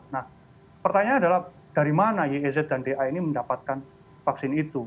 nah pertanyaan adalah dari mana yez dan da ini mendapatkan vaksin itu